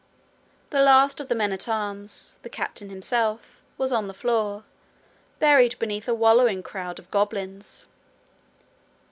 The last of the men at arms, the captain himself, was on the floor, buried beneath a wallowing crowd of goblins.